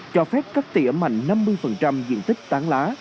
cho phép cắt tỉa mạnh năm mươi diện tích tán lá